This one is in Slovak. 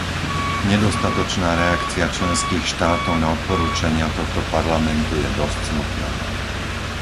Nedostatočná reakcia členských štátov na odporúčania tohto Parlamentu je dosť smutná.